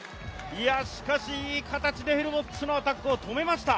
しかし、いい形でヘルボッツのアタックを止めました。